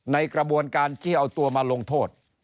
ในกระบวนการที่เอาตัวมาลงโทษ